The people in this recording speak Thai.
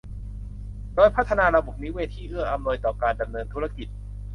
โดยพัฒนาระบบนิเวศที่เอื้ออำนวยต่อการดำเนินธุรกิจ